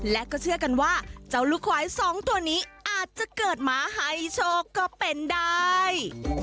และก็เชื่อกันว่าเจ้าลูกควายสองตัวนี้อาจจะเกิดมาให้โชคก็เป็นได้